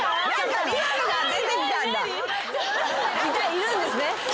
いるんですね。